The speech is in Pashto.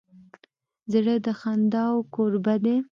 زړه د خنداوو کوربه دی.